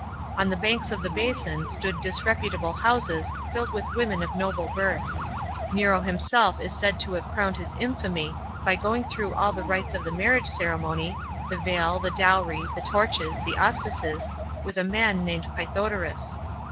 On the banks of the basin, stood disreputable houses, filled with women of noble birth. Nero hira elf is snld to have crowned his infamy by going through all the rites of the marriage ceremony, the veil, the dowry, the torches, the auspices, with a man named Pythodorus.